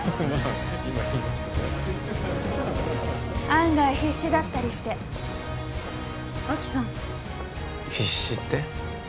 案外必死だったりして晶さん必死って？